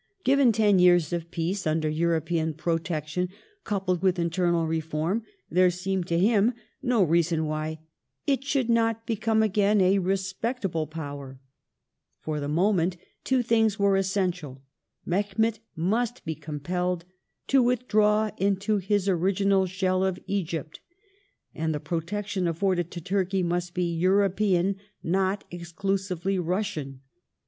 Given ten years of peace under European protection, coupled with internal reform, there seemed to him no reason why "it should not become again a respectable > Power ". For the moment two things were essential : Mehemet must be compelled "to withdraw into his original shell of Egypt,'\ and the protection afforded to Turkey must be European, not exi "" clusively Russian.